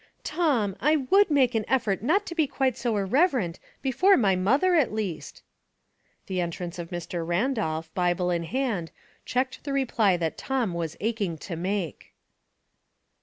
'' Tom, I would make an effort not to be quite so irreverent, before my mother at least." The entrance of Mr. Randolph, Bible in hand, checked the reply that Tom was aching to make.